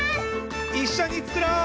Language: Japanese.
いっしょにつくろう！